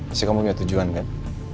pasti kamu punya tujuan kan